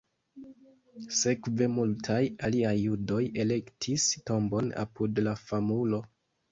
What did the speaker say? Sekve multaj aliaj judoj elektis tombon apud la famulo.